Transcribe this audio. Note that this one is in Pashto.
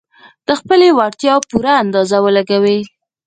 د خپلې وړتيا پوره اندازه ولګوي.